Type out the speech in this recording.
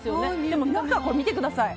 でも、中を見てください。